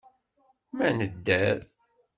Ma nedder.